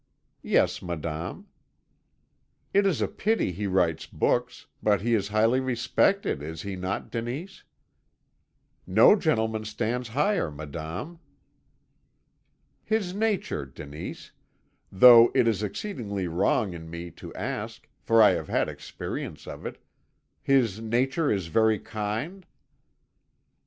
"'Yes, madame.' "'It is a pity he writes books; but he is highly respected, is he not, Denise?' "'No gentleman stands higher, madame.' "'His nature, Denise though it is exceedingly wrong in me to ask, for I have had experience of it his nature is very kind?'